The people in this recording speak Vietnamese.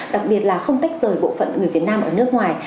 đặc biệt là không tách rời bộ phận người việt nam ở nước ngoài